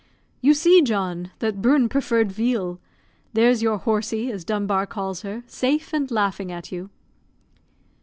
"You see, John, that Bruin preferred veal; there's your 'horsey,' as Dunbar calls her, safe, and laughing at you."